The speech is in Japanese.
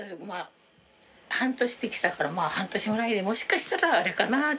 半年で来たから半年ぐらいでもしかしたらあれかな。